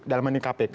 dalam menit kpk